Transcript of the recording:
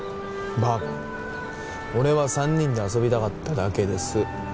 バーカ俺は３人で遊びたかっただけです